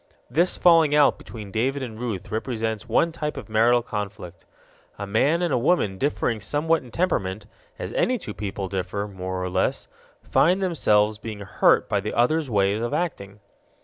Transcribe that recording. This falling out between David and Ruth represents one general type of marital conflict. A man and a woman differing somewhat in temperament as any two people differ, more or less find themselves being hurt by the other's ways of acting.